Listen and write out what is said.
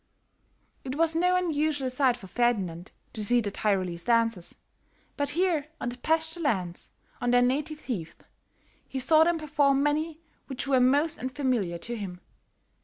It was no unusual sight for Ferdinand to see the Tyrolese dances; but here on the pasture lands, on their native heath, he saw them perform many which were most unfamiliar to him.